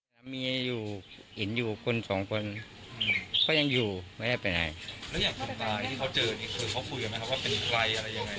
ก็เลยเข้าไปคุยไปถามแล้วก็ขอถ่ายพาสบอร์ตเอาไว้หน่อย